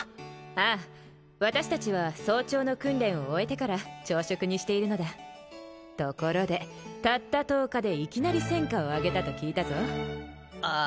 ああ私達は早朝の訓練を終えてから朝食にしているのだところでたった１０日でいきなり戦果をあげたと聞いたぞあ